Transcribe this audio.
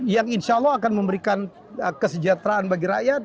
yang insya allah akan memberikan kesejahteraan bagi rakyat